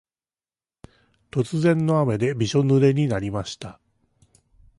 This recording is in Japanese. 突然の雨でびしょぬれになりました。